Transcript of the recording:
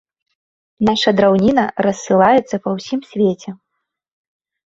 Наша драўніна рассылаецца па ўсім свеце.